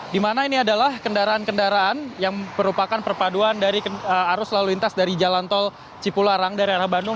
di mana ini adalah kendaraan kendaraan yang merupakan perpaduan dari arus lalu lintas dari jalan tol cipularang dari arah bandung